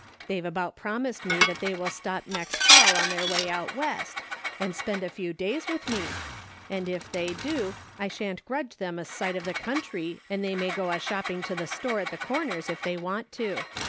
They've about promised me that they will stop next fall on their way out West, and spend a few days with me, and if they do I shan't grudge them a sight of the country and they may go a shopping to the store at the Corners if they want to.